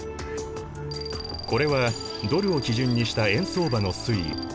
これはドルを基準にした円相場の推移。